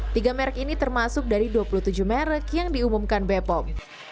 tiga merek ini termasuk dari dua puluh tujuh merek yang diumumkan bepom